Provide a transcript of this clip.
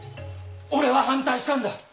俺は反対したんだ！